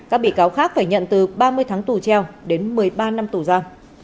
các bị cáo khác phải nhận từ ba mươi tháng tù treo đến một mươi ba năm tù ra